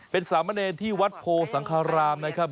เป็นสามเณรที่วัดโพสังครามนะครับ